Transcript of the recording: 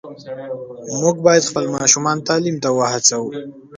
موږ باید خپل ماشومان تعلیم ته وهڅوو.